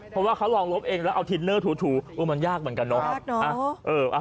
เพราะว่าเขาลองลบเองแล้วเอาทินเนอร์ถูมันยากเหมือนกันเนอะ